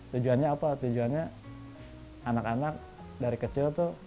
tujuannya apa tujuannya anak anak dari kecil tuh